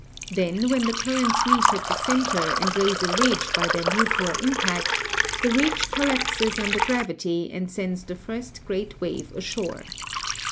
Then, when the currents meet at the center and raise a ridge by their mutual impact, the ridge collapses under gravity and sends the first great wave ashore.